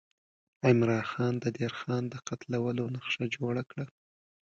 عمرا خان د دیر خان د قتلولو نقشه جوړه کړه.